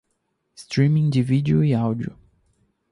Streaming de vídeo e áudio